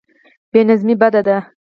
بې نظمي بد دی.